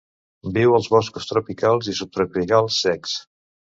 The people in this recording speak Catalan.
Viu als boscos tropicals i subtropicals secs.